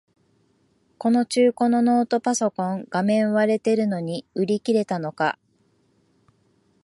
この中古のノートパソコン、画面割れてるのに売り切れたのか